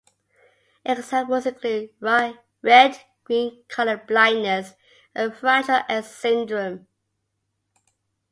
Examples include red-green color blindness and fragile X syndrome.